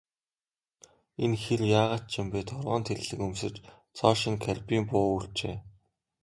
Энэ хэр яагаад ч юм бэ, торгон тэрлэг өмсөж, цоо шинэ карбин буу үүрчээ.